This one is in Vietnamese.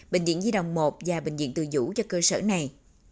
một trăm một mươi năm bệnh viện di đồng một và bệnh viện từ dũ cho cơ sở này